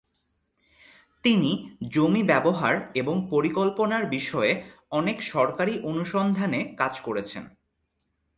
তিনি জমি ব্যবহার এবং পরিকল্পনার বিষয়ে অনেক সরকারী অনুসন্ধানে কাজ করেছেন।